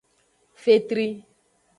Fetri.